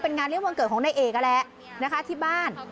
เป็นงานเลี้ยวันเกิดของนายเอกนั่นแหละนะคะที่บ้าน